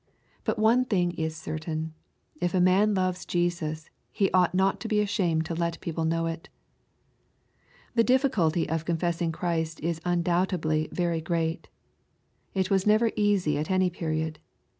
But one thing is certain ;— if a man loves Jesus, he ought not to be ashamed to let people know it. The difficulty of confessing Christ is undoubtedly very great. It never was easy at any period.